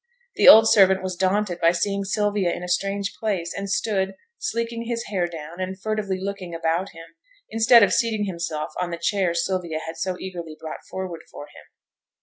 The old servant was daunted by seeing Sylvia in a strange place, and stood, sleeking his hair down, and furtively looking about him, instead of seating himself on the chair Sylvia had so eagerly brought forward for him.